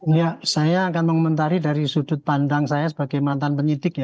ya saya akan mengomentari dari sudut pandang saya sebagai mantan penyidik ya